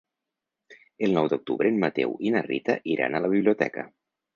El nou d'octubre en Mateu i na Rita iran a la biblioteca.